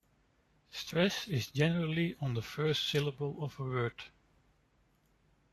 Stress is generally on the first syllable of a word.